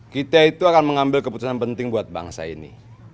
kita itu akan mengambil keputusan penting buat bangsa ini